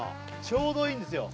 ちょうどいいんですよ